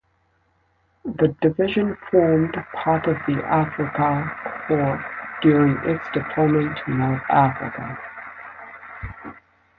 The division formed part of the Afrika Korps during its deployment to North Africa.